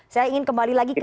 saya ingin kembali lagi ke